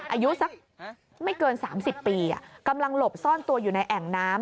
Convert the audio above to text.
อายุสักไม่เกิน๓๐ปีกำลังหลบซ่อนตัวอยู่ในแอ่งน้ำ